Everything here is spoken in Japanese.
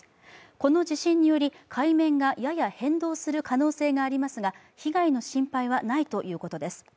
この地震により海面がやや変動するおそれがあるとりのことですが、被害の心配はないということです。